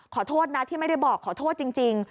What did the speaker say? ขอโทษนะที่ไม่ได้บอกขอโทษจริง